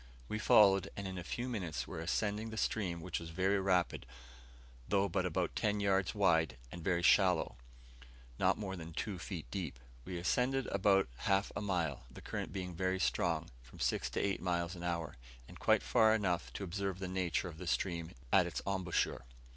We followed, and in a few minutes were ascending the stream, which was very rapid, though but about ten yards wide, and very shallow; not more than two feet deep. We ascended about half a mile, the current being very strong, from six to eight miles an hour, and quite far enough to observe the nature of the stream at its embouchure.